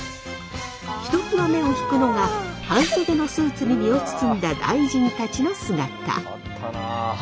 ひときわ目を引くのが半袖のスーツに身を包んだ大臣たちの姿。